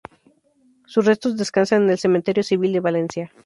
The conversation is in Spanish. Sus restos descansan en el Cementerio Civil de Valencia.